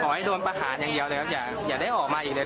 ให้โดนประหารอย่างเดียวเลยครับอย่าได้ออกมาอีกเลย